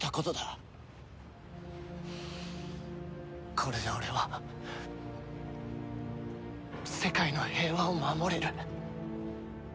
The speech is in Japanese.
これで俺は世界の平和を守れる。